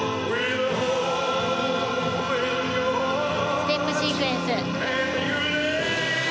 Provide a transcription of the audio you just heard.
ステップシークエンス。